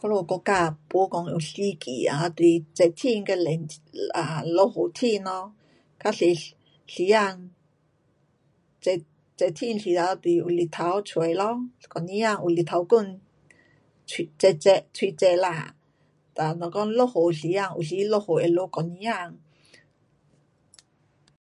我们国家没讲有四季啊，就是热天跟冷啊，落雨天咯，较多时，时间，热,热天时候就是有太阳，一整天有太阳光，热热，蛮热啦。哒，若讲落雨时间，有时落雨会落一整天。